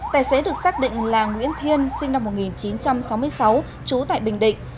tài xế được xác định là nguyễn thiên sinh năm một nghìn chín trăm sáu mươi sáu trú tại bình định